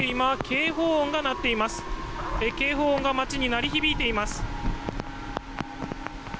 警報音が街に鳴り響いています。